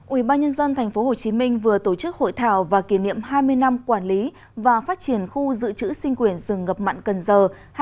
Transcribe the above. ubnd tp hcm vừa tổ chức hội thảo và kỷ niệm hai mươi năm quản lý và phát triển khu dự trữ sinh quyển rừng ngập mặn cần giờ hai nghìn hai nghìn hai mươi